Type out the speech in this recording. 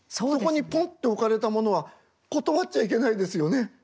ここにポンって置かれたものは断っちゃいけないですよね。